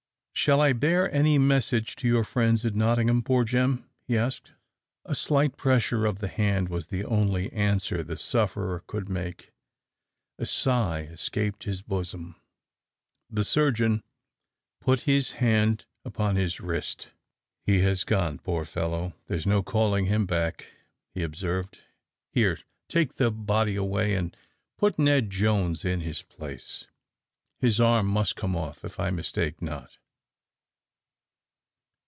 "Shall I bear any message to your friends at Nottingham, poor Jem?" he asked. A slight pressure of the hand was the only answer the sufferer could make. A sigh escaped his bosom. The surgeon put his hand upon his wrist. "He has gone, poor fellow! there's no calling him back!" he observed. "Here, take the body away, and put Ned Jones in his place. His arm must come off, if I mistake not!"